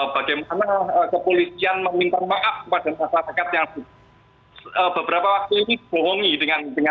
bagaimana kepolisian meminta maaf pada masyarakat yang beberapa waktu ini bohongi dengan langkah langkah